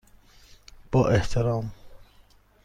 با احترام،